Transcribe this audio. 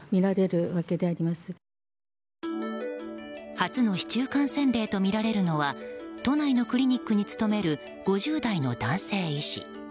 初の市中感染例とみられるのは都内のクリニックに勤める５０代の男性医師。